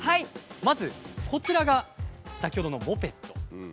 まずこちらが先ほどのモペット。